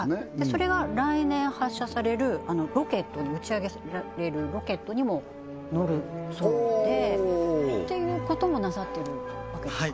それが来年発射されるロケットに打ち上げられるロケットにも載るそうでっていうこともなさってるわけですか？